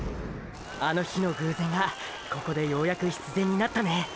あの日の偶然がここでようやく必然になったね。